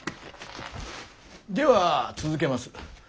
では続けます。